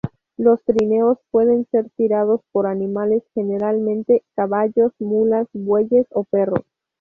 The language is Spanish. Los trineos pueden ser tirados por animales, generalmente, caballos, mulas, bueyes o perros.